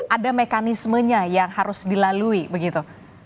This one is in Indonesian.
ada mekanismenya yang harus dilalui begitu